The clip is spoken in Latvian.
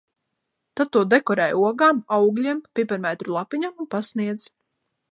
Tad to dekorē ogām, augļiem, piparmētru lapiņām un pasniedz.